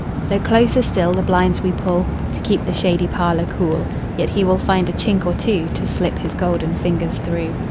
Though closer still the blinds we pullTo keep the shady parlour cool, Yet he will find a chink or twoTo slip his golden fingers through.